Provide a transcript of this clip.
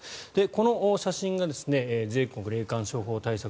この写真が全国霊感商法対策